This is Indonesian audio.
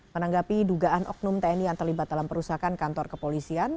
menanggapi dugaan oknum tni yang terlibat dalam perusahaan kantor kepolisian